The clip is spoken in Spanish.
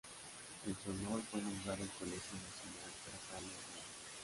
En su honor fue nombrado el Colegio Nacional Rafael Hernández.